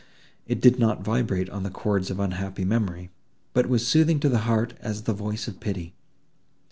It did not vibrate on the chords of unhappy memory, but was soothing to the heart as the voice of Pity.